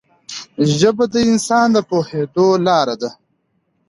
ژبه د انسان د پوهېدو لاره ده